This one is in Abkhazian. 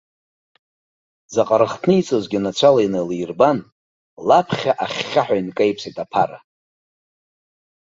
Заҟа рыхҭниҵозгьы нацәала иналирбан, лаԥхьа ахьхьаҳәа инкеиԥсеит аԥара.